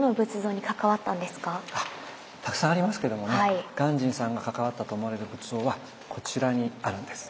たくさんありますけどもね鑑真さんが関わったと思われる仏像はこちらにあるんです。